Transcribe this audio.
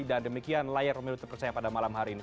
dan demikian layar pemilu terpercaya pada malam hari ini